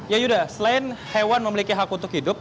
ya yuda selain hewan memiliki hak untuk hidup